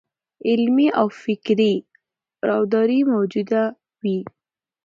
علمي او فکري راوداري موجوده وي.